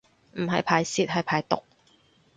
唔係排泄係排毒